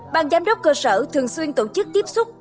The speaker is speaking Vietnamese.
ban giám đốc cơ sở thường xuyên tổ chức tiếp xúc